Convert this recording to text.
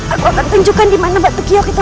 aku akan tunjukkan dimana batu yogiok itu